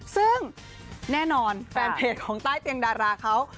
ซึ่งแน่นอนแฟนเพจของใต้เตียงดาราเขา